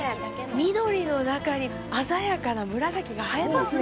緑の中に鮮やかな紫が生えますね。